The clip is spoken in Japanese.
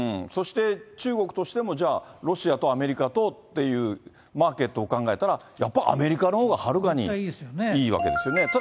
そして中国としてもじゃあ、ロシアとアメリカとっていうマーケットを考えたら、やっぱアメリカのほうがはるかにいいわけですよね。